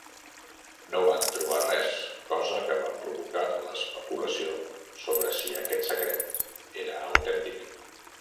No van trobar res, cosa que va provocar l'especulació sobre si aquest secret era autèntic.